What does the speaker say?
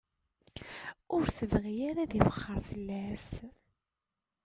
Ur tebɣi ara ad iwexxer fell-as.